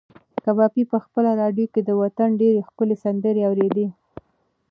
کبابي په خپله راډیو کې د وطن ډېرې ښکلې سندرې اورېدې.